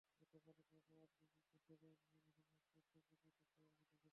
গতকালই ওবামার আর্জেন্টিনার প্রেসিডেন্ট মৌরিফিও মাকরির সঙ্গে বৈঠক করার কথা ছিল।